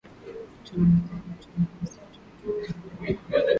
tuna maziwa tuna misitu tuna milima